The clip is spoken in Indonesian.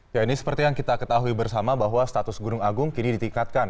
ya ini seperti yang kita ketahui bersama bahwa status gunung agung kini ditingkatkan